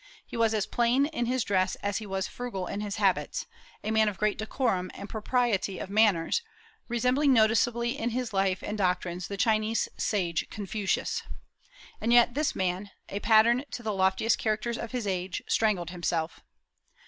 He was as plain in his dress as he was frugal in his habits, a man of great decorum and propriety of manners, resembling noticeably in his life and doctrines the Chinese sage Confucius. And yet this good man, a pattern to the loftiest characters of his age, strangled himself.